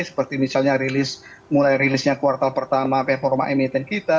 seperti misalnya mulai rilisnya kuartal pertama performa emiten kita